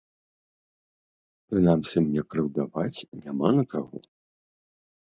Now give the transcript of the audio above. Прынамсі, мне крыўдаваць няма на каго.